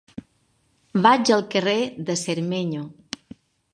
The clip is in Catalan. Vaig al carrer de Cermeño.